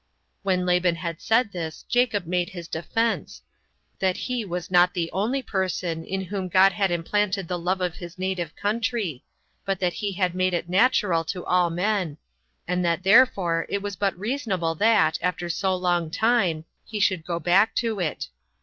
When Laban had said this, Jacob made his defenseThat he was not the only person in whom God had implanted the love of his native country, but that he had made it natural to all men; and that therefore it was but reasonable that, after so long time, he should go back to it.